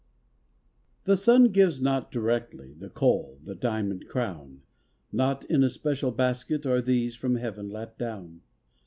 The sun gives not directly The coal, the diamond crown; Not in a special basket Are these from Heaven let down.